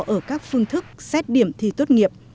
ở các phương thức xét điểm thi tốt nghiệp